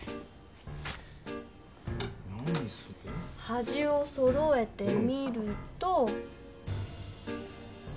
はじをそろえてみると。